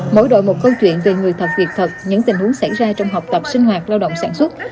mỗi đội một câu chuyện về người thật việc thật những tình huống xảy ra trong học tập sinh hoạt lao động sản xuất